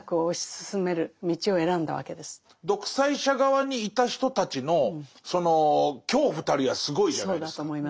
独裁者側にいた人たちのその恐怖たるやすごいじゃないですか。